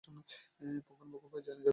পুঙ্খানুপুঙ্খভাবে জেনে যাবে।